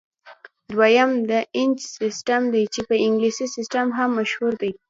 دویم د انچ سیسټم دی چې په انګلیسي سیسټم هم مشهور دی.